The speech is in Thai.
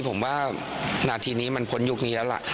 ผมว่านาทีนี้มันพ้นยุคนี้แล้วล่ะ